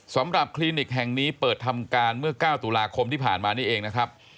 คลินิกแห่งนี้เปิดทำการเมื่อ๙ตุลาคมที่ผ่านมานี่เองนะครับ